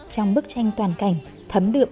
trong bức tranh toàn cảnh thấm đượm